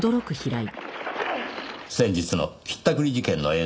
先日のひったくり事件の映像です。